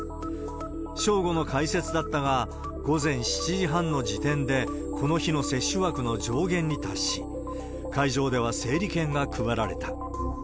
正午の開設だったが、午前７時半の時点でこの日の接種枠の上限に達し、会場では整理券が配られた。